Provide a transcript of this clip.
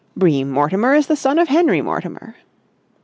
"Bream Mortimer is the son of Henry Mortimer."